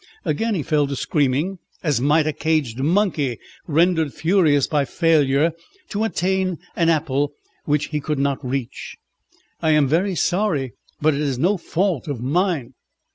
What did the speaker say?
Again he fell to screaming, as might a caged monkey rendered furious by failure to obtain an apple which he could not reach. "I am very sorry, but it is no fault of mine."